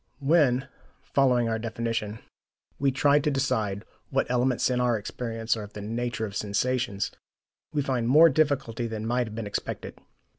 When, following our definition, we try to decide what elements in our experience are of the nature of sensations, we find more difficulty than might have been expected.